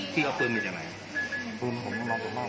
พี่เอาฟื้นกับอยู่ไหน